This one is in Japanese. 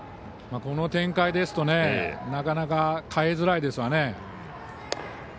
この展開ですとなかなか代えづらいですね。